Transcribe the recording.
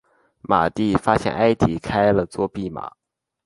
马蒂发现埃迪开了作弊码。